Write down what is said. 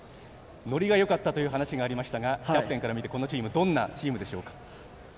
ノリがよかったという話がありましたがキャプテンから見てこのチームどんなチームでしょうか？